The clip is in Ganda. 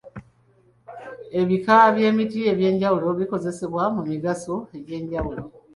Ebika by'emiti eby'enjawulo bikozesebwa mu migaso egy'enjawulo.